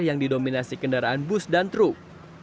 yang didominasi kendaraan bus dan truk